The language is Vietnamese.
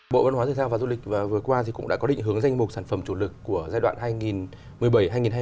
bộ văn hóa thể thao và du lịch vừa qua cũng đã có định hướng danh mục sản phẩm chủ lực của giai đoạn hai nghìn một mươi bảy hai nghìn hai mươi